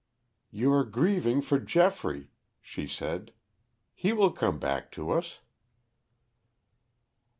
"You are grieving for Geoffrey," she said. "He will come back to us."